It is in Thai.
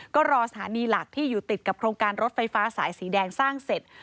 ก็รอสถานีหลักที่อยู่ติดกับโครงการรถไฟฟ้าสายสีแดงสร้างเสร็จ